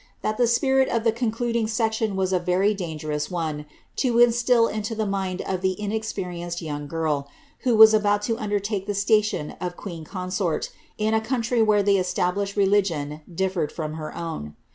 that the spirit of the concluding section was a very dangerous one to instil into the mind of the inexperienced young girl, who was about to undertake the station of queen consort in a country where the estab lished religion differed from her own.